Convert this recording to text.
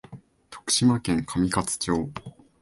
徳島県上勝町